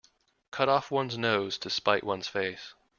Cut off one's nose to spite one's face.